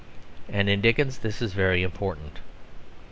And in Dickens this is very important.